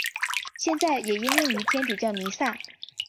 现在也应用于天主教弥撒。